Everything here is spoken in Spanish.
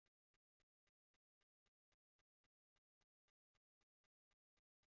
Malasia no practica el voto obligatorio ni el registro automático de votantes.